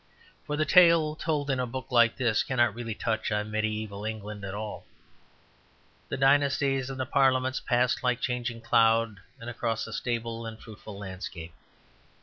For the tale told in a book like this cannot really touch on mediæval England at all. The dynasties and the parliaments passed like a changing cloud and across a stable and fruitful landscape.